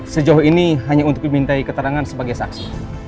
sejauh ini hanya untuk dimintai keterangan sebagai saksi